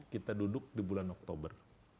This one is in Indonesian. kita duduk di bulan oktober